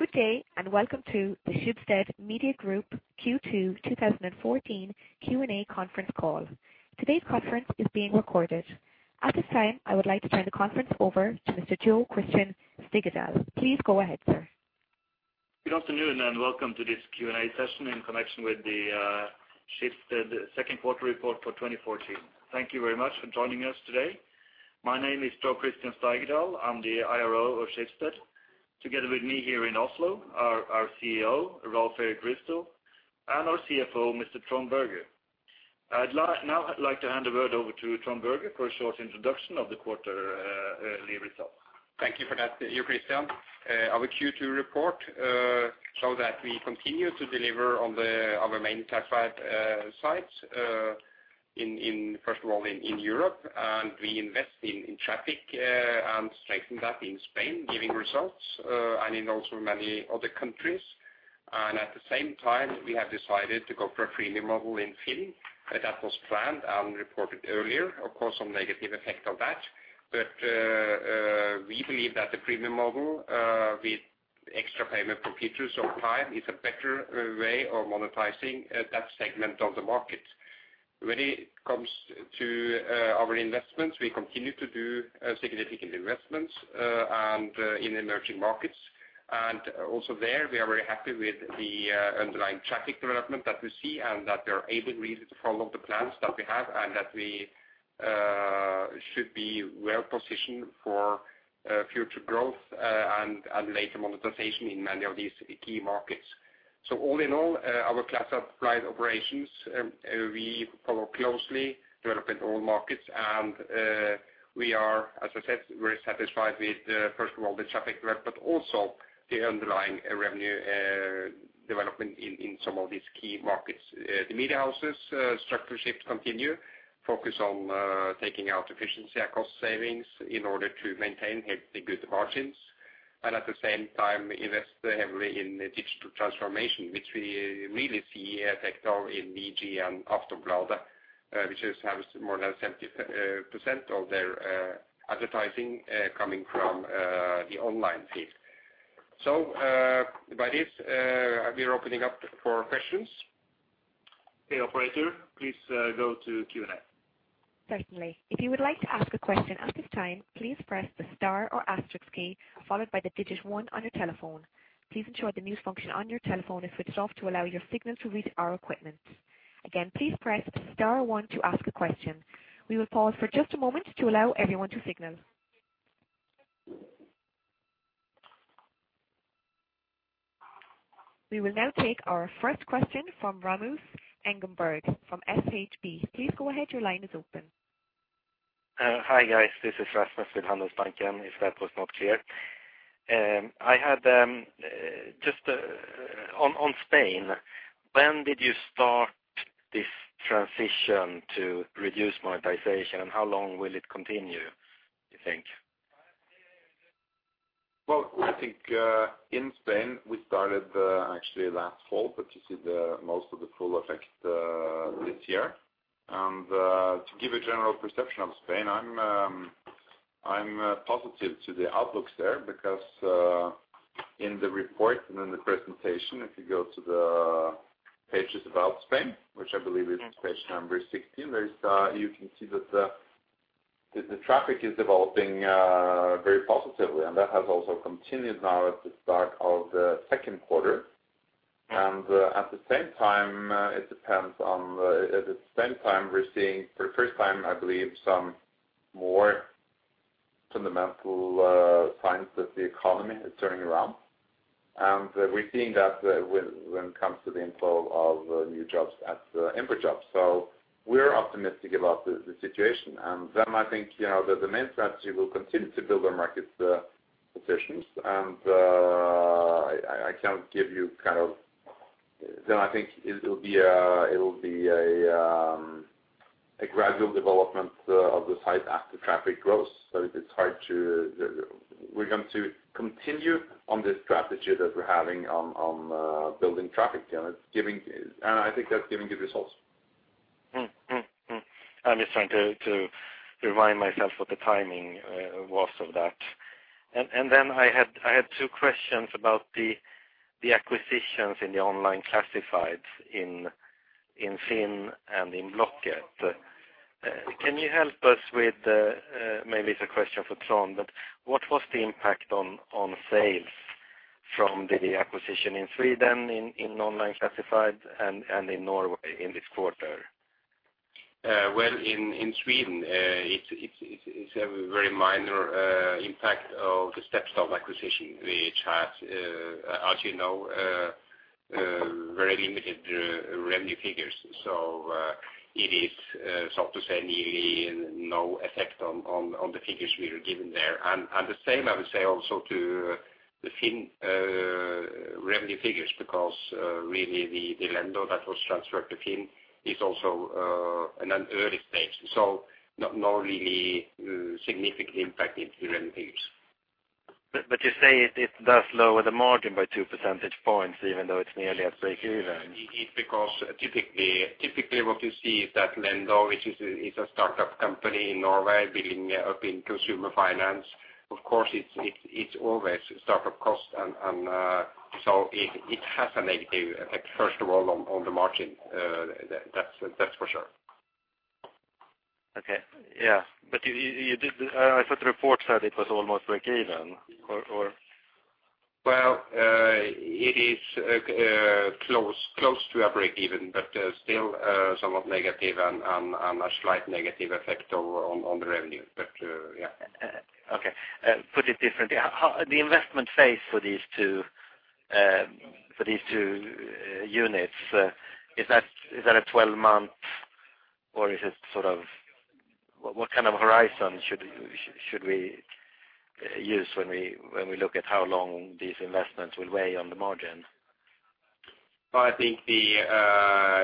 Good day, welcome to the Schibsted Media Group Q2 2014 Q&A conference call. Today's conference is being recorded. At this time, I would like to turn the conference over to Mr. Jo Christian Steigedal. Please go ahead, sir. Good afternoon, welcome to this Q&A session in connection with the Schibsted second quarter report for 2014. Thank you very much for joining us today. My name is Jo Christian Steigedal. I'm the IRO of Schibsted. Together with me here in Oslo are our CEO, Rolv Erik Ryssdal, and our CFO, Mr. Trond Berger. Now I'd like to hand the word over to Trond Berger for a short introduction of the quarter, early results. Thank you for that, Jo Christian. Our Q2 report show that we continue to deliver on our main classified sites in first of all, in Europe. We invest in traffic and strengthen that in Spain, giving results and in also many other countries. At the same time, we have decided to go for a freemium model in FINN. That was planned and reported earlier. Of course, some negative effect of that. We believe that the freemium model with extra payment for features or time is a better way of monetizing that segment of the market. When it comes to our investments, we continue to do significant investments and in emerging markets. Also there, we are very happy with the underlying traffic development that we see and that we are able really to follow the plans that we have and that we should be well-positioned for future growth and later monetization in many of these key markets. All in all, our classified operations, we follow closely development in all markets. We are, as I said, very satisfied with first of all the traffic growth, but also the underlying revenue development in some of these key markets. The media houses structural shift continue, focus on taking out efficiency and cost savings in order to maintain healthy, good margins. At the same time, invest heavily in digital transformation, which we really see effect of in VG and Aftonbladet, which is have more than 70% of their advertising coming from the online field. By this, we are opening up for questions. Okay, operator, please, go to Q&A. Certainly. If you would like to ask a question at this time, please press the star or asterisk key, followed by the digit one on your telephone. Please ensure the mute function on your telephone is switched off to allow your signal to reach our equipment. Again, please press star one to ask a question. We will pause for just a moment to allow everyone to signal. We will now take our first question from Rasmus Engberg from SHB. Please go ahead, your line is open. Hi, guys. This is Rasmus with Handelsbanken, if that was not clear. I had on Spain, when did you start this transition to reduce monetization, and how long will it continue, you think? Well, I think in Spain, we started actually last fall, but you see the most of the full effect this year. To give a general perception of Spain, I'm positive to the outlooks there because in the report and in the presentation, if you go to the pages about Spain, which I believe is page number 16, there is you can see that the traffic is developing very positively. That has also continued now at the start of the second quarter. At the same time, we're seeing for the first time, I believe, some more fundamental signs that the economy is turning around. We're seeing that when it comes to the inflow of new jobs at Indeed jobs. we're optimistic about the situation. I think, you know, the main strategy will continue to build our market positions. I can't give you kind of. I think it'll be a gradual development of the site as the traffic grows. It's hard to. We're going to continue on this strategy that we're having on building traffic. You know, it's giving and I think that's giving good results. I'm just trying to remind myself what the timing was of that. Then I had two questions about the acquisitions in the online classifieds in FINN and in Blocket. Can you help us with, maybe it's a question for Trond, but what was the impact on sales from the acquisition in Sweden in online classified and in Norway in this quarter? Well, in Sweden, it's a very minor impact of the steps of acquisition. We had, as you know, very limited revenue figures. It is, so to say, nearly no effect on the figures we were given there. The same I would say also to the FINN revenue figures because really the Lendo that was transferred to FINN is also in an early stage. No, not really significant impact into the revenue figures. You say it does lower the margin by 2 percentage points, even though it's nearly at breakeven. It's because typically what you see is that Lendo, which is a startup company in Norway building up in consumer finance, of course it's always startup costs and so it has a negative effect, first of all, on the margin. That's for sure. Okay. Yeah. I thought the report said it was almost breakeven or. Well, it is close to a breakeven but still somewhat negative and a slight negative effect on the revenue. Yeah. Okay. Put it differently. The investment phase for these two units, is that a 12-month, or is it sort of... What kind of horizon should we use when we look at how long these investments will weigh on the margin? Well, I think the,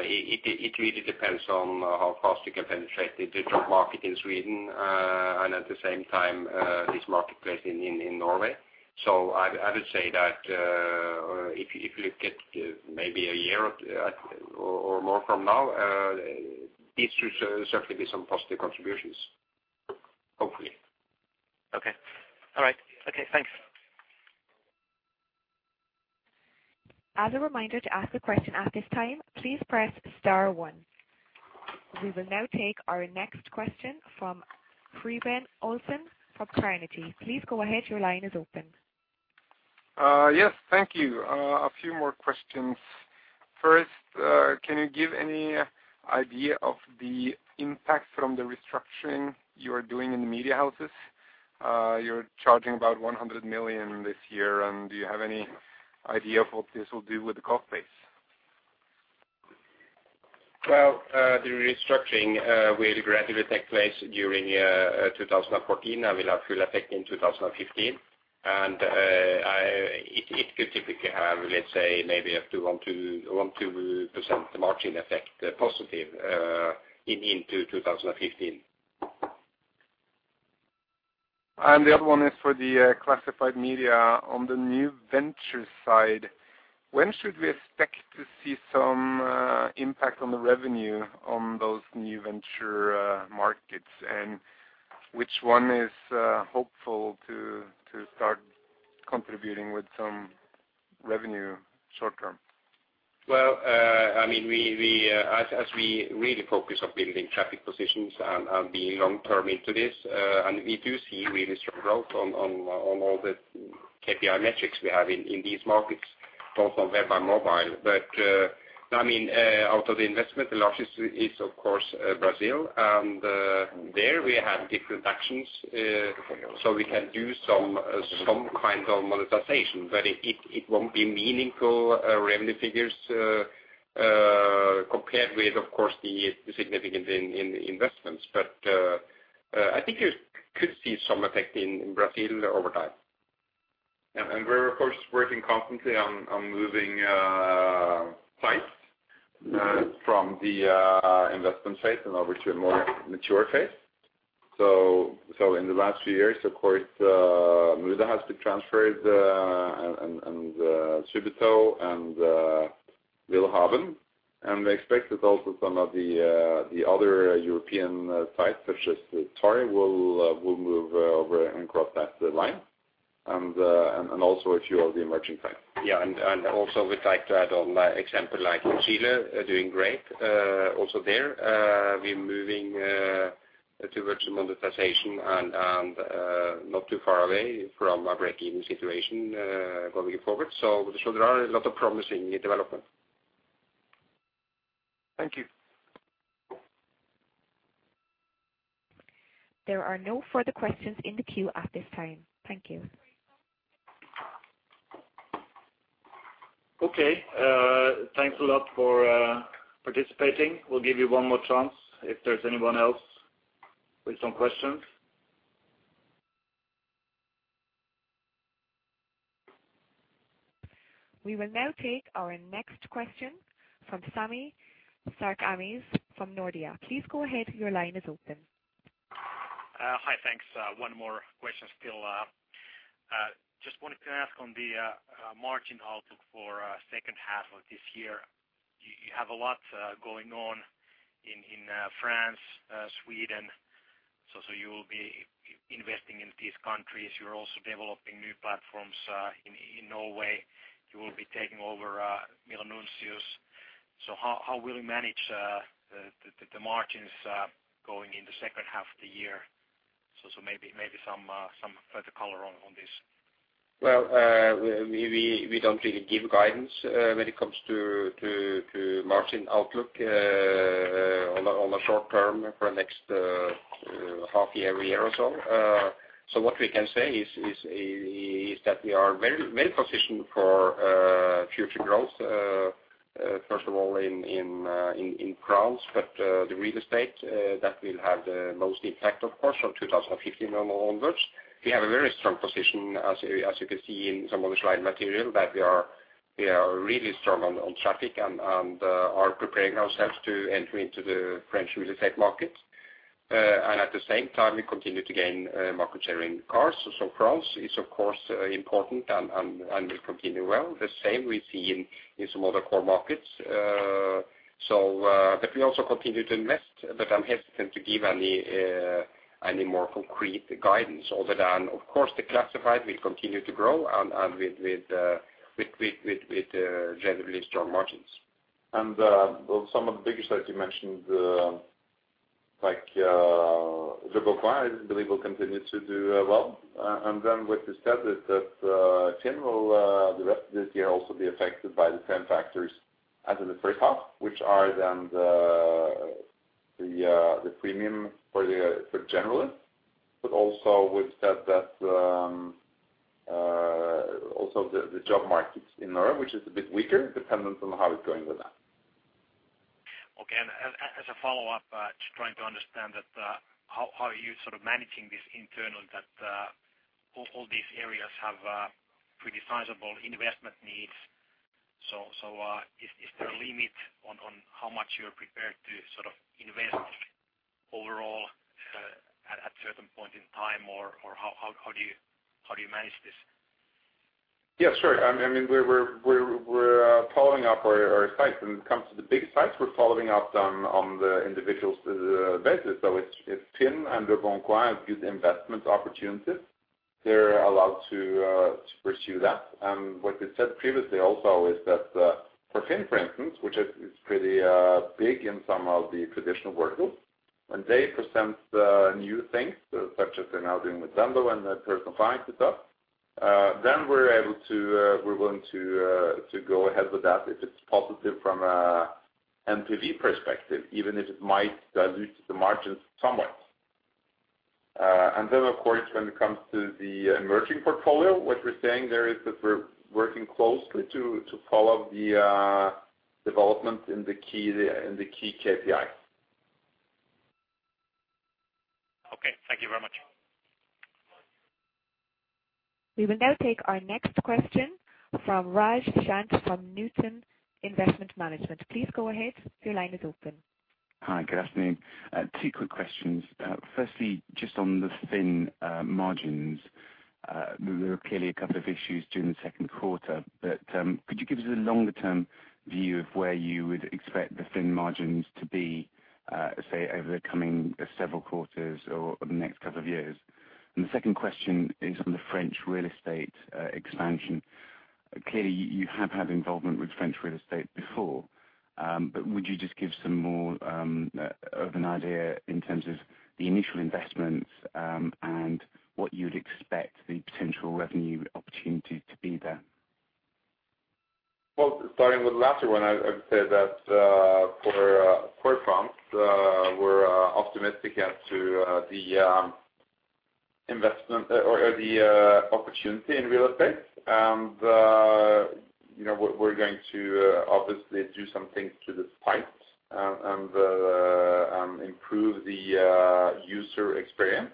it really depends on how fast we can penetrate the digital market in Sweden, and at the same time, this marketplace in Norway. I would say that, if you look at maybe a year or more from now, it should certainly be some positive contributions, hopefully. Okay. All right. Okay, thanks. As a reminder, to ask a question at this time, please press star one. We will now take our next question from Torbjorn Olsen from Fearnley Securities. Please go ahead, your line is open. Yes, thank you. A few more questions. First, can you give any idea of the impact from the restructuring you are doing in the media houses? You're charging about 100 million this year, and do you have any idea of what this will do with the cost base? Well, the restructuring will gradually take place during 2014 and will have full effect in 2015. It could typically have, let's say maybe up to 1%-2% margin effect, positive, into 2015. The other one is for the classified media. On the new venture side, when should we expect to see some impact on the revenue on those new venture markets? Which one is hopeful to start contributing with some revenue short term? Well, I mean, we As we really focus on building traffic positions and being long term into this, and we do see really strong growth on all the KPI metrics we have in these markets, both on web and mobile. I mean, out of the investment, the largest is of course Brazil, there we have different actions, so we can do some kind of monetization, but it won't be meaningful revenue figures compared with, of course, the significant in investments. I think you could see some effect in Brazil over time. We're of course working constantly on moving sites from the investment phase and over to a more mature phase. In the last few years, of course, Muda has been transferred, and Subito and willhaben. We expect that also some of the other European sites such as Tori will move over and cross that line, and also a few of the emerging sites. Yeah. Also we'd like to add on example like Chile doing great, also there. We're moving towards monetization and not too far away from a break-even situation going forward. There are a lot of promising development. Thank you. There are no further questions in the queue at this time. Thank you. Okay. Thanks a lot for participating. We'll give you one more chance if there's anyone else with some questions. We will now take our next question from Sami Sarkamies from Nordea. Please go ahead, your line is open. Hi. Thanks. One more question still. Just wanted to ask on the margin outlook for second half of this year. You have a lot going on in France, Sweden, so you will be investing in these countries. You're also developing new platforms in Norway. You will be taking over Milanuncios. How will you manage the margins going in the second half of the year? Maybe some further color on this. Well, we don't really give guidance when it comes to margin outlook on the short term for next half year or so. What we can say is that we are very well positioned for future growth, first of all in France. The real estate that will have the most impact, of course, from 2015 onwards. We have a very strong position, as you can see in some of the slide material, that we are really strong on traffic and are preparing ourselves to enter into the French real estate market. At the same time, we continue to gain market share in cars. France is of course important and will continue well. The same we see in some other core markets. We also continue to invest, but I'm hesitant to give any more concrete guidance other than, of course, the classified will continue to grow and with generally strong margins. some of the bigger sites you mentioned, like leboncoin, I believe will continue to do well. What you said is that FINN will the rest of this year also be affected by the same factors as in the first half, which are then the premium for generalists. Also we've said that, also the job markets in Europe, which is a bit weaker, dependent on how it's going with that. Okay. As a follow-up, just trying to understand that, how are you sort of managing this internal that, all these areas have pretty sizable investment needs. Is there a limit on how much you're prepared to sort of invest overall, at certain point in time? How do you manage this? Yeah, sure. I mean, we're following up our sites. When it comes to the big sites, we're following up on the individuals basis. If FINN and leboncoin have good investment opportunities, they're allowed to pursue that. What we said previously also is that for FINN, for instance, which is pretty big in some of the traditional verticals, when they present new things, such as they're now doing with Lendo and the personal finance stuff, then we're able to, we're willing to go ahead with that if it's positive from a NPV perspective, even if it might dilute the margins somewhat. Of course, when it comes to the emerging portfolio, what we're saying there is that we're working closely to follow the development in the key KPIs. Okay. Thank you very much. We will now take our next question from Raj Shant from Newton Investment Management. Please go ahead, your line is open. Hi. Good afternoon. Two quick questions. Firstly, just on the FINN margins. There were clearly a couple of issues during the second quarter, but could you give us a longer-term view of where you would expect the FINN margins to be, say, over the coming several quarters or the next couple of years? The second question is on the French real estate expansion. Clearly, you have had involvement with French real estate before, but would you just give some more of an idea in terms of the initial investments, and what you'd expect the potential revenue opportunity to be there? Starting with the latter one, I would say that for France, we're optimistic as to the investment or the opportunity in real estate. You know, we're going to obviously do some things to the site and improve the user experience.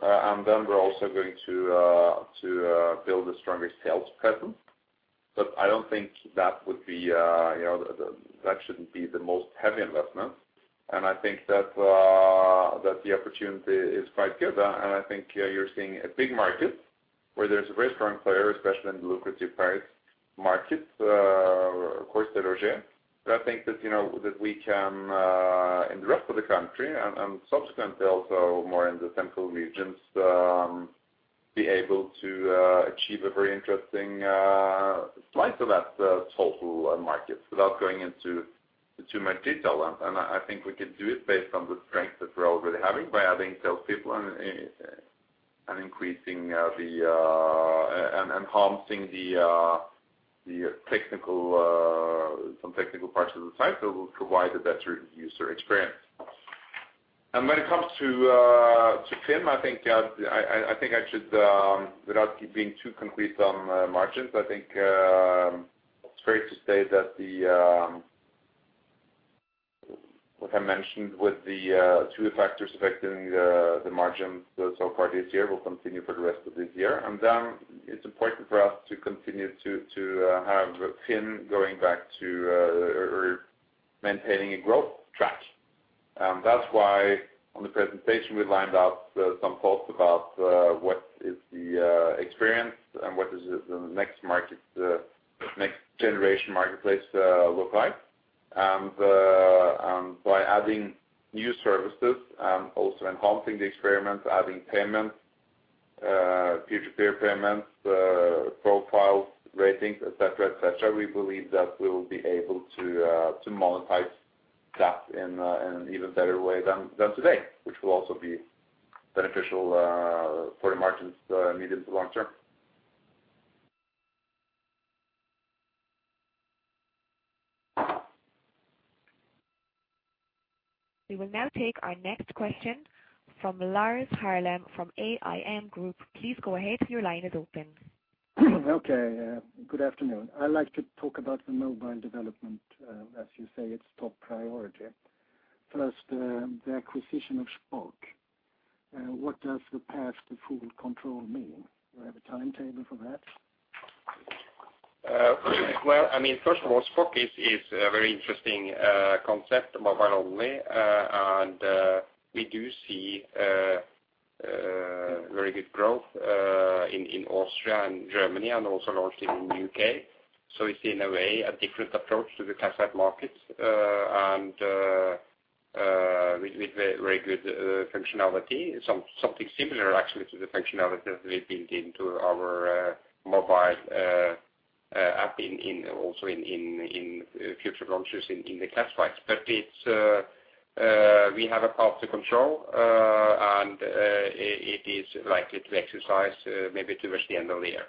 We're also going to build a stronger sales presence. I don't think that would be, you know, that shouldn't be the most heavy investment. I think that the opportunity is quite good. I think you're seeing a big market where there's a very strong player, especially in the lucrative Paris market, of course, SeLoger. I think that, you know, that we can in the rest of the country and subsequently also more in the central regions, be able to achieve a very interesting slice of that total market without going into too much detail. I think we can do it based on the strength that we're already having by adding sales people and increasing and enhancing the technical some technical parts of the site that will provide a better user experience. When it comes to FINN, I think I should without being too concrete on margins, I think it's fair to say that the. What I mentioned with the two factors affecting the margins so far this year will continue for the rest of this year. It's important for us to continue to have FINN going back to or maintaining a growth track. That's why on the presentation we lined up some thoughts about what is the experience and what is the next generation marketplace look like. By adding new services, also enhancing the experience, adding payment, peer-to-peer payments, profiles, ratings, et cetera, we believe that we will be able to monetize that in an even better way than today, which will also be beneficial for the margins medium to long term. We will now take our next question from Lars Herlin from AIM Group. Please go ahead, your line is open. Okay. Good afternoon. I'd like to talk about the mobile development. As you say, it's top priority. First, the acquisition of Shpock What does the path to full control mean? Do we have a timetable for that? Well, I mean, first of all, Shpock is a very interesting concept mobile only. We do see very good growth in Austria and Germany, and also launched in the U.K. It's in a way, a different approach to the classifieds markets, and with very good functionality. Something similar actually to the functionality that we built into our mobile app in also in future launches in the classifieds. It's we have a path to control, and it is likely to exercise maybe towards the end of the year.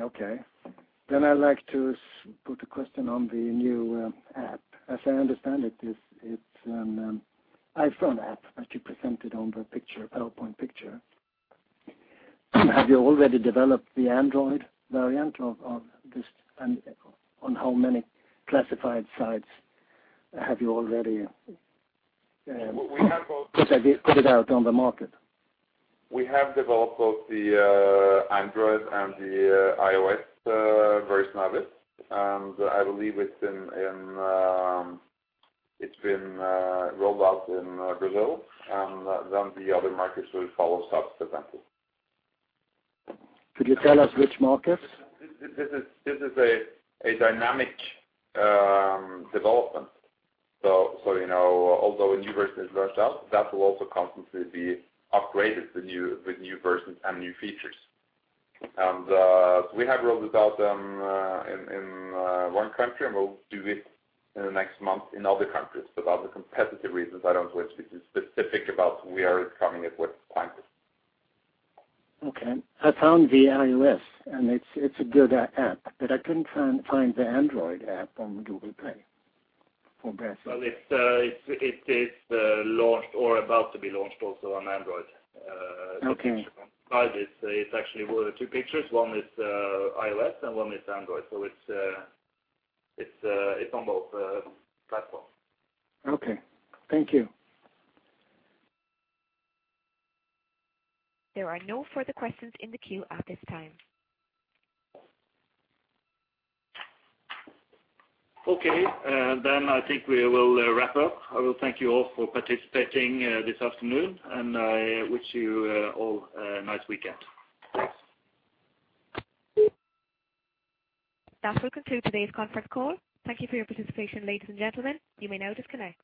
Okay. I'd like to put a question on the new app. As I understand it's iPhone app, as you presented on the PowerPoint picture. Have you already developed the Android variant of this? On how many classified sites have you already? We have. put it out on the market? We have developed both the Android and the iOS version of it. I believe it's in, it's been rolled out in Brazil, and then the other markets will follow suit eventually. Could you tell us which markets? This is a dynamic development. You know, although a new version is launched out, that will also constantly be upgraded with new versions and new features. We have rolled this out in one country, and we'll do it in the next month in other countries. For other competitive reasons, I don't want to be too specific about we are coming at what time. I found the iOS, and it's a good app, but I couldn't find the Android app on Google Play for Brazil. It is launched or about to be launched also on Android. Okay. picture on the slide. It's actually were two pictures. One is iOS and one is Android. It's on both platforms. Okay. Thank you. There are no further questions in the queue at this time. Okay. I think we will wrap up. I will thank you all for participating this afternoon. I wish you all a nice weekend. That will conclude today's conference call. Thank Thank you for your participation, ladies and gentlemen. You may now disconnect.